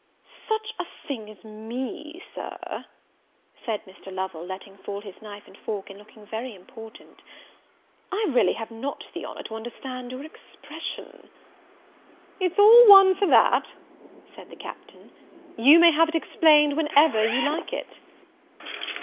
"Such a thing as me, Sir!" said Mr. Lovel, letting fall his knife and fork, and looking very important; "I really have not the honour to understand your expression." "It's all one for that," said the Captain; "you may have it explained whenever you like it."